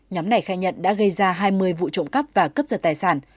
nhóm này khai nhận đã gây ra hai mươi vụ trộm cắp và cướp giật tài sản